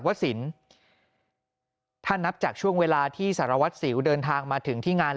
สินถ้านับจากช่วงเวลาที่สารวัตรสิวเดินทางมาถึงที่งาน